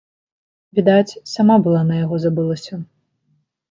Відаць, сама была на яго забылася.